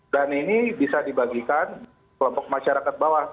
dan ini bisa dibagikan kelompok masyarakat bawah